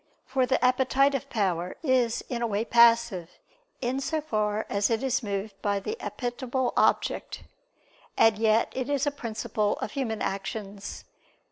For the appetitive power is, in a way, passive; in so far as it is moved by the appetible object; and yet it is a principle of human actions.